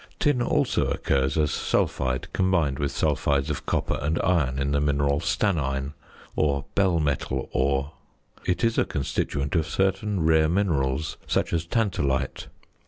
Tin also occurs as sulphide combined with sulphides of copper and iron in the mineral stannine or bell metal ore. It is a constituent of certain rare minerals, such as tantalite.